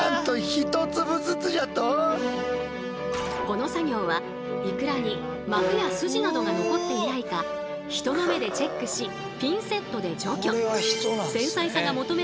この作業はいくらに膜やスジなどが残っていないか人の目でチェックしピンセットで除去。